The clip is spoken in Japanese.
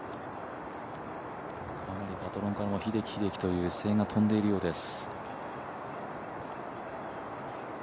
かなりパトロンからも、「ヒデキ、ヒデキ」という声援が飛んでいるようです。